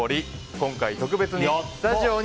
今回特別にスタジオに